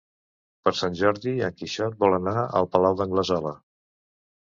Per Sant Jordi en Quixot vol anar al Palau d'Anglesola.